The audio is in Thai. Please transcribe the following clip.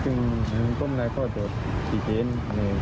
สาเหตุที่น้องไปได้ที่เจ๊นเพราะอะไร